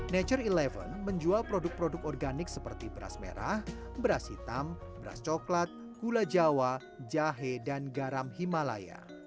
nature sebelas menjual produk produk organik seperti beras merah beras hitam beras coklat gula jawa jahe dan garam himalaya